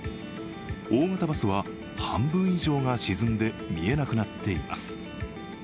大型バスは半分以上が沈んで、見えなくなっています。